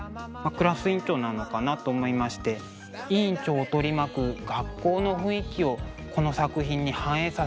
クラス委員長なのかな？と思いまして委員長を取り巻く学校の雰囲気をこの作品に反映させてみました。